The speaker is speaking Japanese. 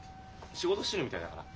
仕事してるみたいだから。